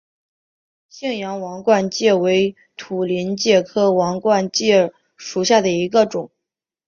信阳王冠介为土菱介科王冠介属下的一个种。